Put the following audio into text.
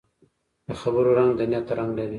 د خبرو رنګ د نیت رنګ لري